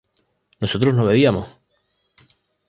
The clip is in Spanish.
¿nosotros no bebíamos?